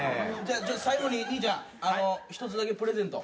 最後に兄ちゃん１つだけプレゼント。